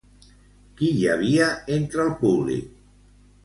Qui hi havia entre el públic?